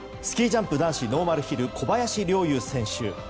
スキージャンプ男子ノーマルヒル小林陵佑選手。